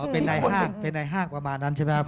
เป็นนายห้างเป็นในห้างประมาณนั้นใช่ไหมครับ